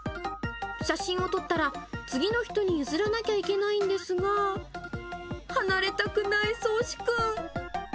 写真を撮ったら次の人に譲らなきゃいけないんですが、離れたくないそうしくん。